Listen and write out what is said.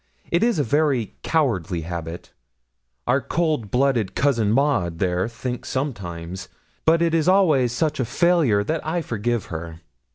It is a very cowardly habit. Our cold blooded cousin Maud, there, thinks sometimes; but it is always such a failure that I forgive her.